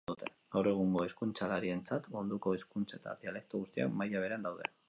Gaur egungo hizkuntzalarientzat munduko hizkuntza eta dialekto guztiak maila berean daude.